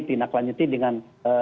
tidak lanjuti dengan